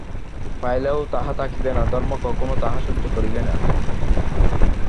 পাইলেও তাহা থাকিবে না, ধর্ম কখনো তাহা সহ্য করিবেন না।